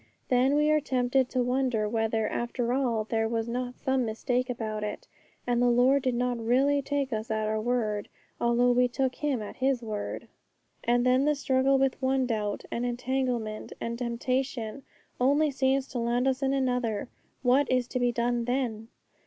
Then we are tempted to wonder whether after all there was not some mistake about it, and the Lord did not really take us at our word, although we took Him at His word. And then the struggle with one doubt, and entanglement, and temptation only seems to land us in another. What is to be done then?